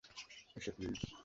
এসো, প্লিজ!